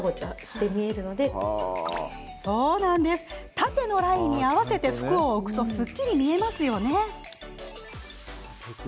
縦のラインに合わせて服を置くとすっきり見えますよね。